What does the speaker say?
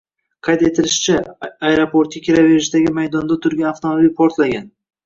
Qayd etilishicha, aeroportga kiraverishdagi maydonda turgan avtomobil portlagan